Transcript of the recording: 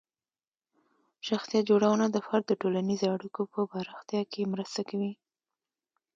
شخصیت جوړونه د فرد د ټولنیزې اړیکو په پراختیا کې مرسته کوي.